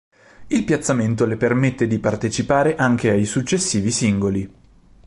Il piazzamento le permette di partecipare anche ai successivi singoli.